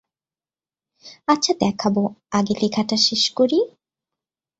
আচ্ছা দেখাব, আগে লেখাটা শেষ করি।